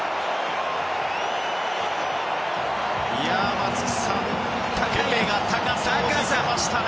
松木さんペペが高さを見せましたね。